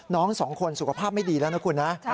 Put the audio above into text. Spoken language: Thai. น้องสองคนสุขภาพไม่ดีแล้วนะคุณนะ